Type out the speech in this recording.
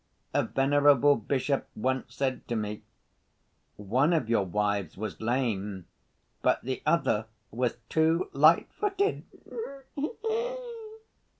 A venerable bishop once said to me: 'One of your wives was lame, but the other was too light‐footed.